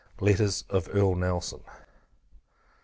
Letters OF EARL NELSON, &c.